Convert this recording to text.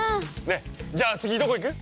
ねえじゃあ次どこ行く？